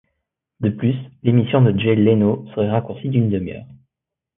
De plus, l’émission de Jay Leno serait raccourcie d’une demi-heure.